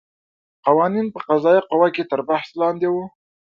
قوانین په قضایه قوه کې تر بحث لاندې وو.